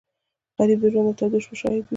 غریب د ژوند د تودو شپو شاهد وي